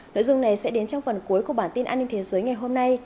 nội dung này sẽ đến trong phần cuối của bản tin an ninh thế giới ngày hôm nay